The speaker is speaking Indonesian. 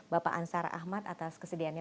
bapak ansar ahmad atas kesediaannya